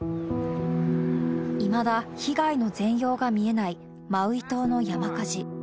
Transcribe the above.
いまだ被害の全容が見えない、マウイ島の山火事。